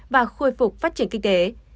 và khôi phục phát triển kinh tế